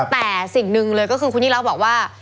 แต่สิ่งหนึ่งเลยก็คือคุณยิ่งรักบอกว่า